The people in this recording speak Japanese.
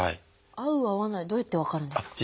合う合わないはどうやって分かるんですか？